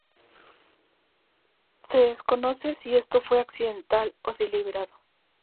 Se desconoce si esto fue accidental o deliberado.